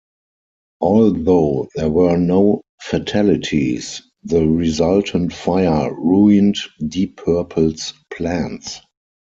Although there were no fatalities, the resultant fire ruined Deep Purple's plans.